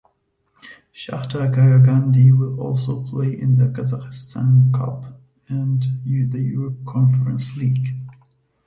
Shakhter Karagandy will also play in the Kazakhstan Cup and the Europa Conference League.